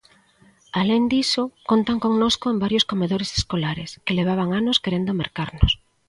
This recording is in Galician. Alén diso, contan connosco en varios comedores escolares que levaban anos querendo mercarnos.